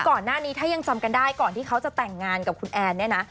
ก่อนหน้านี้ถ้ายังจำกันได้ก่อนที่เขาจะแต่งงานกับคุณแอนเนี่ยนะ